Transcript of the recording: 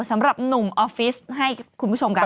สำหรับหนุ่มออฟฟิศให้คุณผู้ชมกัน